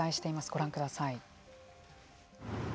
ご覧ください。